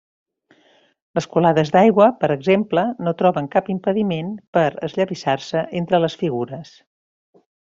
Les colades d'aigua, per exemple, no troben cap impediment per esllavissar-se entre les figures.